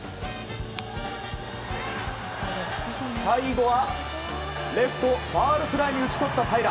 最後は、レフトファウルフライに打ち取った平良。